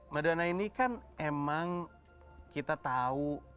madana ini kan emang kita tahu